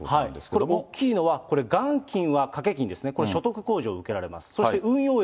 これ、大きいのは、これ、元金は掛金ですね、これ、所得控除を受けられます。